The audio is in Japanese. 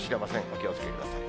お気をつけください。